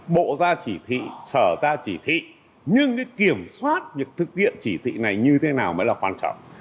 bộ ra chỉ thị sở ra chỉ thị nhưng cái kiểm soát việc thực hiện chỉ thị này như thế nào mới là quan trọng